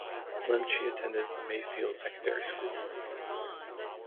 Lemche attended the Mayfield Secondary School.